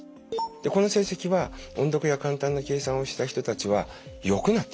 この成績は音読や簡単な計算をした人たちはよくなっていました。